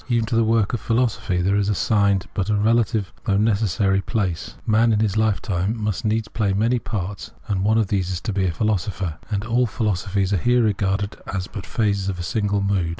Even to the work of philosophy there is assigned but a relative, though necessary, place. Man in his lifetime must needs play many parts, and one of vi Translator's Introduction these is to be a philosopher ; and all philosophies are here regarded as but phases of a single mood.